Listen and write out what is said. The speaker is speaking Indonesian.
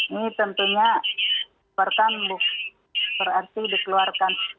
ini tentunya berarti dikeluarkan